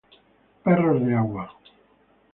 Perros de agua.